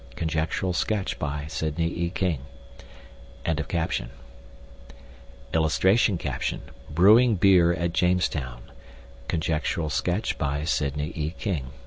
(Conjectural sketch by Sidney E. King.)] [Illustration: BREWING BEER AT JAMESTOWN. (Conjectural sketch by Sidney E. King.)